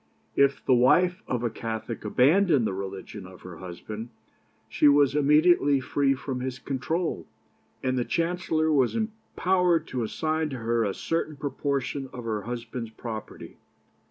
If the wife of a Catholic abandoned the religion of her husband, she was immediately free from his control, and the Chancellor was empowered to assign to her a certain proportion of her husband's property.